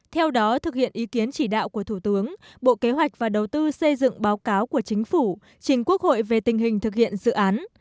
theo đó thực hiện ý kiến chỉ đạo của thủ tướng bộ kế hoạch và đầu tư xây dựng báo cáo của chính phủ trình quốc hội về tình hình thực hiện dự án